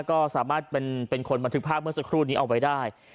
ก็สามารถเป็นคนบันทึกภาพเมื่อสักครู่นี้เอาไว้ได้